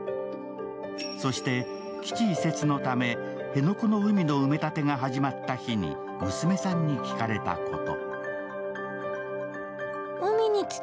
そして、基地移設のため辺野古の海の埋め立てが始まった日に娘さんに聞かれたこと。